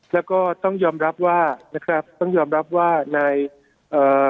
แล้วก็ต้องยอมรับว่านะครับต้องยอมรับว่าในเอ่อ